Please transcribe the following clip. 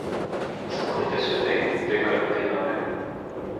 Слухайте сюди, дика людина ви.